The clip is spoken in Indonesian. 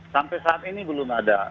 sampai saat ini belum ada